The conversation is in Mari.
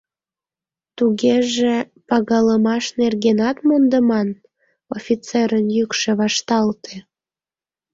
— Тугеже пагалымаш нергенат мондыман? — офицерын йӱкшӧ вашталте.